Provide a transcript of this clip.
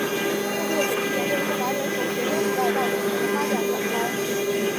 故事的轨迹沿着一个男人从学生时代到成年的发展展开。